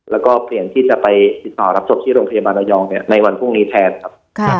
แล้วก็เปลี่ยนที่จะไปติดต่อรับศพที่โรงพยาบาลระยองในวันพรุ่งนี้แทนครับ